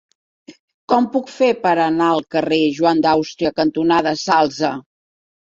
Com ho puc fer per anar al carrer Joan d'Àustria cantonada Salze?